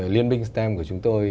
liên minh stem của chúng tôi